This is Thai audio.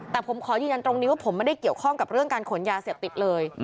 แต่ผมขอยืนยันตรงนี้ว่าผมไม่ได้เกี่ยวข้องกับเรื่องการขนยาเสพติดเลย